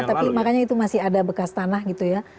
tapi makanya itu masih ada bekas tanah gitu ya